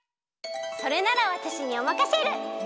それならわたしにおまかシェル！